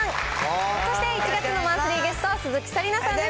そして１月のマンスリーゲストは鈴木紗理奈さんです。